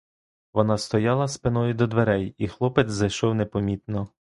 Вона стояла спиною до дверей, і хлопець зайшов непомітно.